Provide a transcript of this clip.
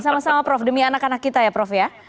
sama sama prof demi anak anak kita ya prof ya